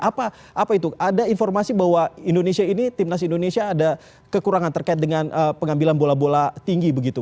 apa itu ada informasi bahwa indonesia ini timnas indonesia ada kekurangan terkait dengan pengambilan bola bola tinggi begitu